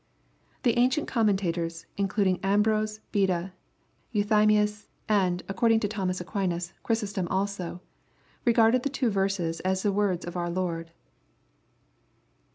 The ancient commentators, including Ambrose, Bedn, Euthy mius, and, according to Thomas Aquinas, Chrysostom also, regard the two verses as the words of our Lord.